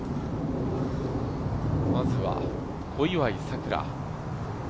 まずは小祝さくら。